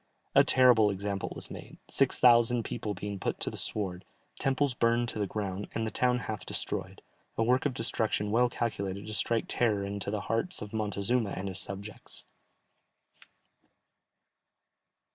A terrible example was made, six thousand people being put to the sword, temples burned to the ground, and the town half destroyed, a work of destruction well calculated to strike terror into the hearts of Montezuma and his subjects.